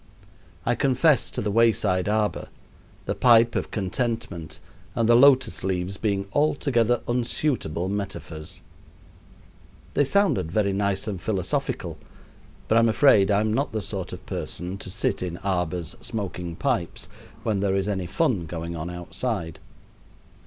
I confess to the wayside arbor, the pipe of contentment, and the lotus leaves being altogether unsuitable metaphors. They sounded very nice and philosophical, but I'm afraid I am not the sort of person to sit in arbors smoking pipes when there is any fun going on outside.